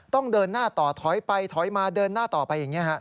ต้องเดินหน้าต่อถอยไปถอยมาเดินหน้าต่อไป